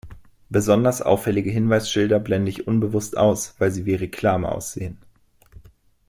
Besonders auffällige Hinweisschilder blende ich unbewusst aus, weil sie wie Reklame aussehen.